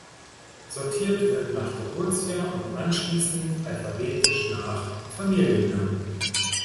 Sortiert wird nach Geburtsjahr und anschließend alphabetisch nach Familiennamen.